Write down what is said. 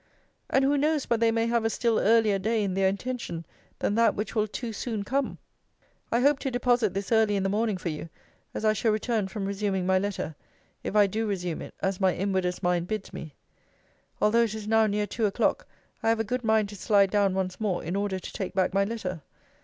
And who knows but they may have a still earlier day in their intention, than that which will too soon come? I hope to deposit this early in the morning for you, as I shall return from resuming my letter, if I do resume it as my inwardest mind bids me. Although it is now near two o'clock, I have a good mind to slide down once more, in order to take back my letter.